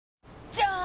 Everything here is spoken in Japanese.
じゃーん！